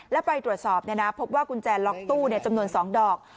แล้วไปตรวจสอบพบว่ากุญแจล็อกตู้จำนวน๒ดอก